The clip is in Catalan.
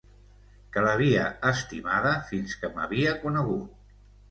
Que l'havia estimada fins que m'havia conegut.